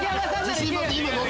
自信持ってノ